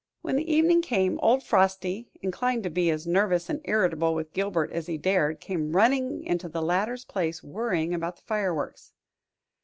When the evening came, old Frosty, inclined to be as nervous and irritable with Gilbert as he dared, came running into the latter's place worrying about the fireworks.